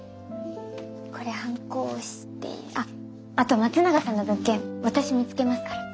これ判子押してあっあと松永さんの物件私見つけますから。